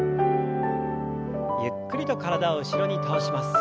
ゆっくりと体を後ろに倒します。